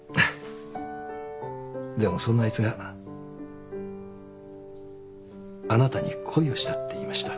でもそんなあいつがあなたに恋をしたって言いました。